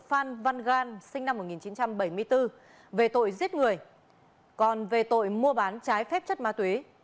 phan văn gan sinh năm một nghìn chín trăm bảy mươi bốn về tội giết người còn về tội mua bán trái phép chất ma túy